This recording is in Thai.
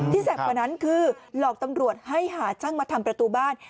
แสบกว่านั้นคือหลอกตำรวจให้หาช่างมาทำประตูบ้าน